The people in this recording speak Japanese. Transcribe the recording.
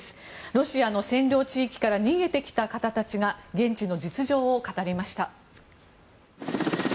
ロシアの占領地域から逃げてきた方たちが現地の実情を語りました。